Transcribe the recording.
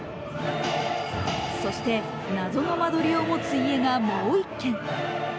そして、謎の間取りを持つ家がもう１軒。